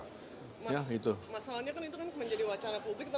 masalahnya kan itu kan menjadi wacana publik